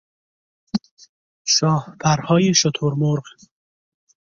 شاهپرهای شتر مرغ